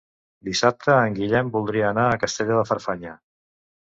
Dissabte en Guillem voldria anar a Castelló de Farfanya.